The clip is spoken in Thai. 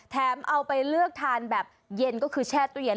เอาไปเลือกทานแบบเย็นก็คือแช่ตู้เย็น